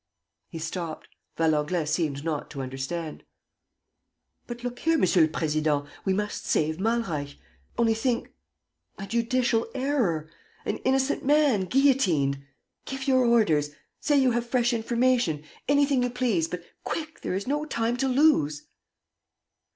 ..." He stopped. Valenglay seemed not to understand. "But, look here, Monsieur le President, we must save Malreich. ... Only think ... a judicial error! ... An innocent man guillotined! ... Give your orders ... say you have fresh information ... anything you please ... but, quick, there is no time to lose.